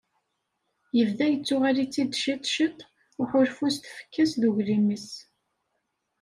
Yebda yettuɣal-itt-id ciṭ ciṭ uḥulfu s tfekka-s d uglim-is.